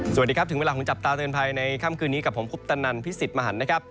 สวัสดีครับถึงเวลาของจับตาเตือนภัยในค่ำคืนนี้กับผมคุปตนันพิสิทธิ์มหันนะครับ